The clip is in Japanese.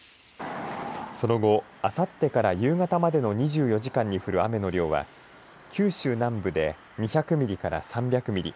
その後、あさってから夕方までの２４時間に降る雨の量は九州南部で２００ミリから３００ミリ